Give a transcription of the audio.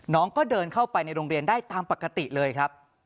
น้องก็เดินเข้าไปในโรงเรียนได้ตามปกติเลยครับ